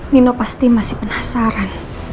nino pasti masih penasaran